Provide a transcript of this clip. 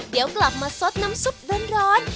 เดี๋ยวกลับมาสดน้ำซุปร้อน